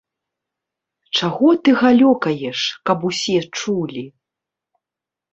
Чаго ты галёкаеш, каб усе чулі.